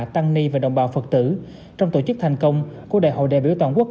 tăng ni và đồng bào phật tử trong tổ chức thành công của đại hội đại biểu toàn quốc